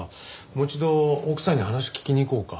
もう一度奥さんに話聞きに行こうか。